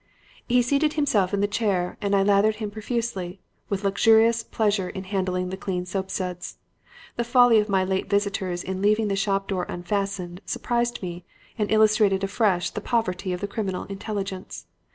"He seated himself in the chair and I lathered him profusely, with luxurious pleasure in handling the clean soapsuds. The folly of my late visitors in leaving the shop door unfastened, surprised me, and illustrated afresh the poverty of the criminal intelligence.